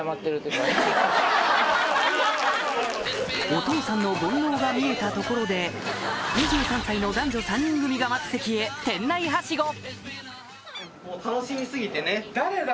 お父さんの煩悩が見えたところで２３歳の男女３人組が待つ席へ店内ハシゴ！